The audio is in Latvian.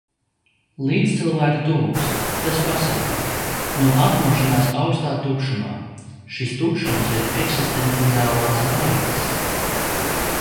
Līdzcilvēku tuvums. Tas pasargā. No atmošanās aukstā tukšumā. Šis tukšums ir eksistenciālās bailes...